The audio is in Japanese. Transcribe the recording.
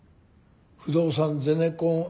不動産ゼネコンＩＴ。